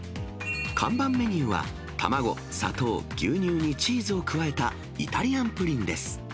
看板メニューは、卵、砂糖、牛乳にチーズを加えた、イタリアンプリンです。